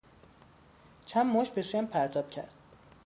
چند مشت به سویم پرتاب کرد.